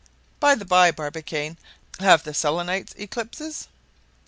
By the bye, Barbicane, have the Selenites eclipses?"